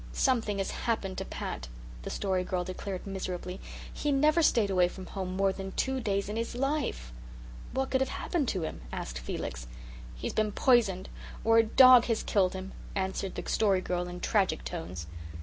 "Something has happened to Pat," the Story Girl declared miserably. "He never stayed away from home more than two days in his life." "What could have happened to him?" asked Felix. "He's been poisoned or a dog has killed him," answered the Story Girl in tragic tones.